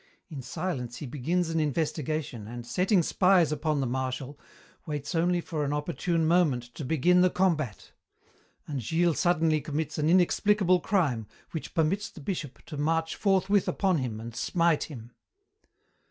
In silence he begins an investigation and, setting spies upon the Marshal, waits only for an opportune moment to begin the combat. And Gilles suddenly commits an inexplicable crime which permits the Bishop to march forthwith upon him and smite him.